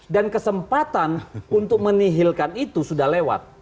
dan kesempatan untuk menihilkan itu sudah lewat